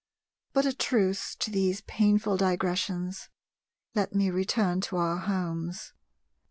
But a truce to these painful digressions: let me return to our homes.